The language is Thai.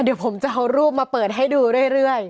เดี๋ยวผมจะเอารูปมาเปิดให้ดูเรื่อย